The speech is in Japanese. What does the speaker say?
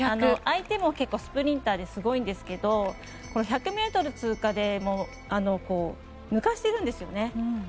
相手もスプリンターですごいんですが１００ｍ通過で抜かしているんですよね。